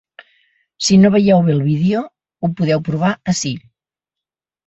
Si no veieu bé el vídeo, ho podeu provar ací.